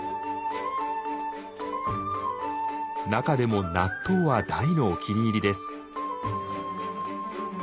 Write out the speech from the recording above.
中でも納豆は大のお気に入りです。